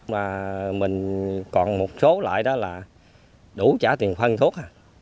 mà mình còn một số loại đó là đủ trả tiền phân thuốc